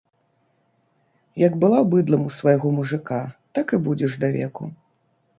Як была быдлам у свайго мужыка, так і будзеш давеку.